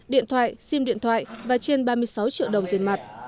điện thoại sim điện thoại và trên ba mươi sáu triệu đồng tiền mặt